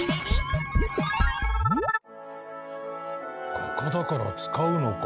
画家だから使うのか。